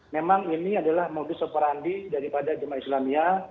memang ini adalah modus operandi daripada jemaah islamia